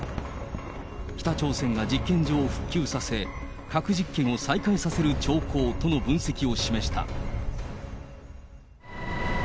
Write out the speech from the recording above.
北朝鮮が実験場を復旧させ、核実験を再開させる兆候との分析を示した。